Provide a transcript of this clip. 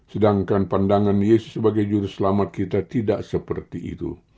sedangkan pandangan yesus sebagai juru selamat kita tidak seperti itu